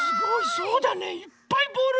そうだねいっぱいボール。